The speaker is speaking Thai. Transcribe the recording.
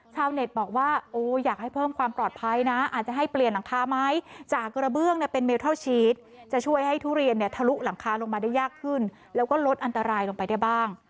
ชาวเน็ตบอกว่าโอ้อยากให้เพิ่มความปลอดภัยนะอาจจะให้เปลี่ยนหลังคาไหมจากกระเบื้องเนี่ยเป็นเมลทัลชีสจะช่วยให้ทุเรียนเนี่ยทะลุหลังคาลงมาได้ยากขึ้นแล้วก็ลดอันตรายลงไปได้บ้าง